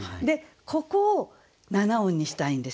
ここを７音にしたいんですよ。